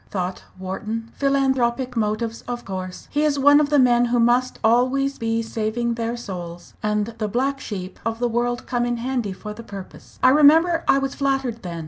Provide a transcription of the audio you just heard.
thought Wharton. "Philanthropic motives of course. He is one of the men who must always be saving their souls, and the black sheep of the world come in handy for the purpose. I remember I was flattered then.